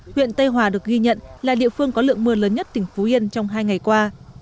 huyện tây hòa được ghi nhận là địa phương có lượng mưa lớn nhất tỉnh phú yên trong hai ngày qua